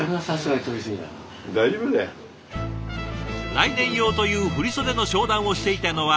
来年用という振り袖の商談をしていたのは